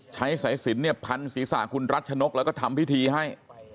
ใช้สายสินเนี่ยพันศีรษะคุณรัชนกแล้วก็ทำพิธีให้